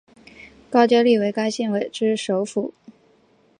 高加力为该县之首府。